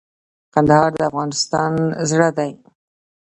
کندهار د افغانستان زړه دي